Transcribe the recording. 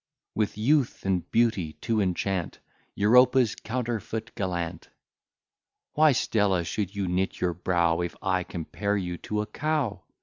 With youth and beauty to enchant Europa's counterfeit gallant. Why, Stella, should you knit your brow, If I compare you to a cow?